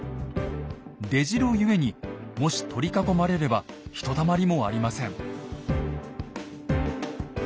出城ゆえにもし取り囲まれればひとたまりもありません。